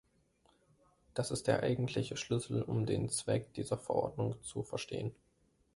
Das ist der eigentliche Schlüssel, um den Zweck dieser Verordnung zu verstehen.